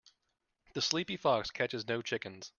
The sleepy fox catches no chickens.